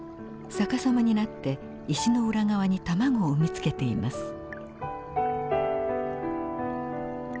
逆さまになって石の裏側に卵を産みつけています。